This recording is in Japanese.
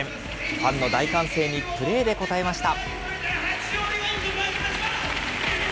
ファンの大歓声にプレーで応えました。